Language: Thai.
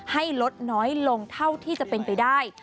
ให้ลดน้อยลงเท่าที่จะเป็นไปได้